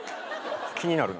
気になるな。